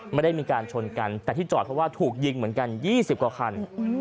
ไม่ได้มีการชนกันแต่ที่จอดเพราะว่าถูกยิงเหมือนกัน๒๐กว่าคัน